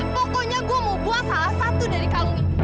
pokoknya gue mau buang salah satu dari kalung ini